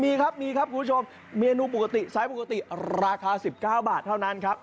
มีครับมีครับคุณผู้ชมเมนูปกติไซส์ปกติราคา๑๙บาทเท่านั้นครับ